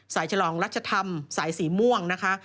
ฉลองรัชธรรมสายสีม่วงนะคะ